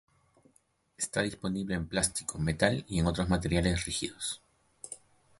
Está disponible en plástico, metal y en otros materiales rígidos.